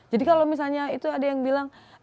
jadi kalau misalnya itu ada yang bilang